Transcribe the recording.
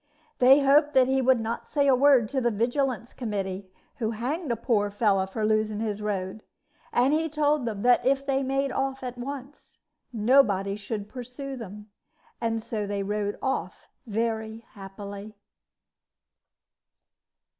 They hoped that he would not say a word to the Vigilance Committee, who hanged a poor fellow for losing his road; and he told them that if they made off at once, nobody should pursue them; and so they rode off very happily.